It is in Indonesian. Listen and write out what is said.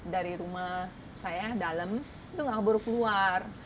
dari rumah saya dalam itu nggak buruk keluar